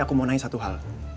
aku mau nai satu hal